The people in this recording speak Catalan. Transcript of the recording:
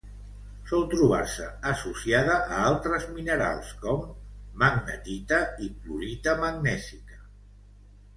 Sol trobar-se associada a altres minerals com: magnetita i clorita magnèsica.